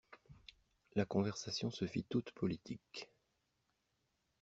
La conversation se fit toute politique.